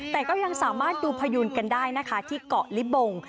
แต่ก็ยังสามารถดูพยูนกันได้นะคะที่เกาะลิบง